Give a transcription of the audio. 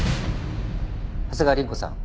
長谷川凛子さん